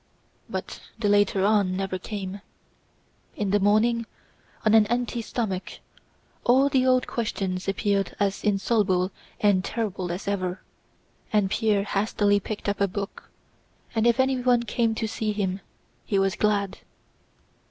But the later on never came. In the morning, on an empty stomach, all the old questions appeared as insoluble and terrible as ever, and Pierre hastily picked up a book, and if anyone came to see him he was glad.